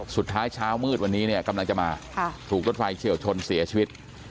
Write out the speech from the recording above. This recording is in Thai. สุดท้ายเช้ามืดวันนี้กำลังจะมาถูกรถไฟเชี่ยวชนเสียชีวิต